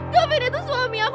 ma gafin itu suami aku